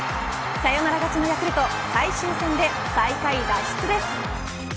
サヨナラ勝ちのヤクルト最終戦で最下位脱出です。